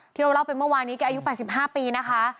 ที่เราเล่าไปเมื่อวานนี้แกอายุแปดสิบห้าปีนะคะ